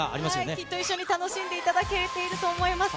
きっと一緒に楽しんでいただけてると思います。